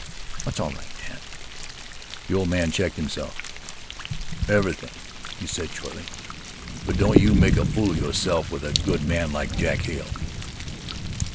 "What's all right, Dad?" The old man checked himself: "Ever' thing," he said shortly, "but don't you make a fool of yo'self with a good man like Jack Hale."